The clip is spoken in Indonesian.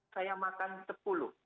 saya makan sepuluh